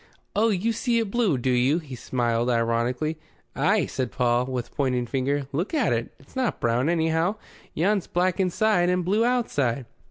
"Oh, you see it blue, do you?" He smiled ironically. "Ay," said Paul, with pointing finger. "Look at it. It's not brown, anyhow. Yon's black inside and blue outside."